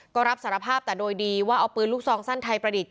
ก็รับสารภาพแต่โดยดีว่าเอาปืนลูกซองสั้นไทยประดิษฐ